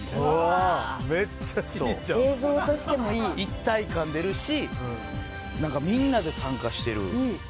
一体感出るしなんかみんなで参加してる。